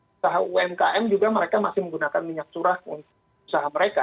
usaha umkm juga mereka masih menggunakan minyak curah untuk usaha mereka